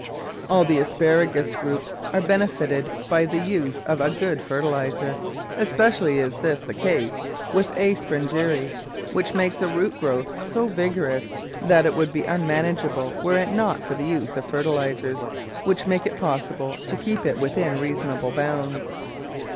All the Asparagus group are benefited by the use of a good fertiliser, especially is this the case with A. Digitized by Google 216 The Flower Garden Sprengeri, which makes a root growth so vigorous that it would be unmanageable were it not for the use of fertilisers, which make it possible to keep it within reasonable bounds.